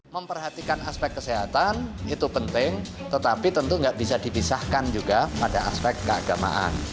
memperhatikan aspek kesehatan itu penting tetapi tentu tidak bisa dipisahkan juga pada aspek keagamaan